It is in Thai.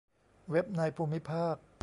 เว็บในภูมิภาค